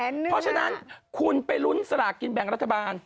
เพราะฉะนั้นคุณไปลุ้นสลากกินแบ่งรัฐบาล